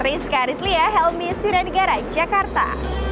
rizka arisliah helmy suriandegara jakarta